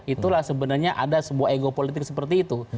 itulah sebenarnya ada sebuah ego politik seperti itu